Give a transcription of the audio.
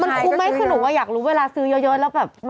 มันคุ้มไหมคือหนูว่าอยากรู้เวลาซื้อเยอะแล้วแบบ